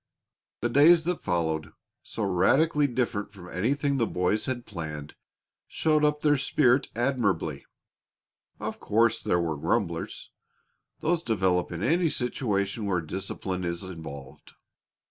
The days that followed, so radically different from anything the boys had planned, showed up their spirit admirably. Of course there were grumblers; those develop in any situation where discipline is involved.